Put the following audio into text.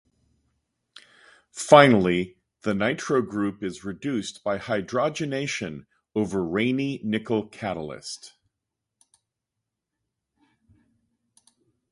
Finally, the nitro group is reduced by hydrogenation over Raney nickel catalyst.